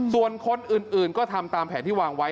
ส่วนคนอื่นก็ทำตามแผนที่วางไว้